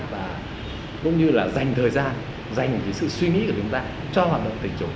và cũng như là dành thời gian dành sự suy nghĩ của chúng ta cho hoạt động tình chủng